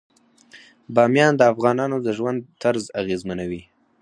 بامیان د افغانانو د ژوند طرز اغېزمنوي.